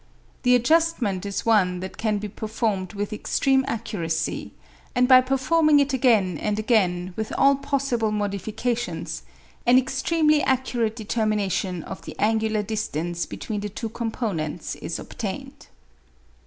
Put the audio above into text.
The adjustment is one that can be performed with extreme accuracy, and by performing it again and again with all possible modifications, an extremely accurate determination of the angular distance between the two components is obtained.